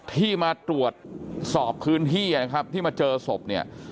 ที่มาตรวจสอบพื้นที่นะครับที่มาเจอศพเนี่ย